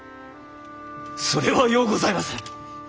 それはようございます！